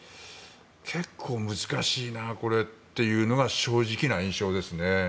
結構難しいな、これというのが正直な印象です。